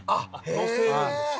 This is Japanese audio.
乗せるんですね。